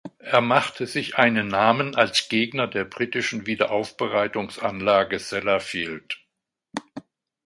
Er machte sich einen Namen als Gegner der britischen Wiederaufbereitungsanlage Sellafield.